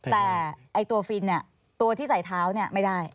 แต่ตัวฟินเนี่ยตัวที่ใส่เท้าเนี่ยไม่ได้